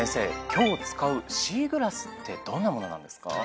今日使うシーグラスってどんな物なんですか？